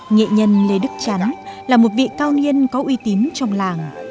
nghệ nhân lê đức chắn là một vị cao niên có uy tín trong làng